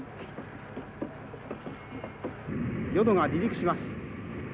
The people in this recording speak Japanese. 「よどが離陸します」。